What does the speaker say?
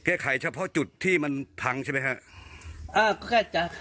แก้ไขเฉพาะจุดที่มันพังใช่ไหมครับ